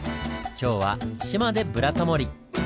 今日は志摩で「ブラタモリ」。